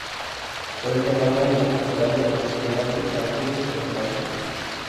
Fue enterrada en la Catedral de Nuestra Señora de Los Ángeles en Los Ángeles.